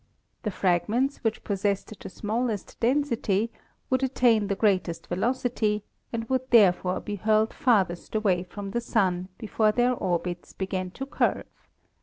The fragments which possessed the smallest density would attain the greatest velocity and would therefore be hurled farthest away from the Sun before their orbits began to curve.